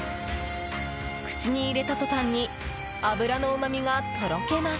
口に入れたとたんに脂のうまみがとろけます！